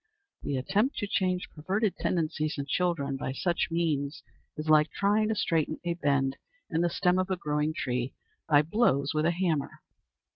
The attempt to change perverted tendencies in children by such means is like trying to straighten a bend in the stem of a growing tree by blows with a hammer.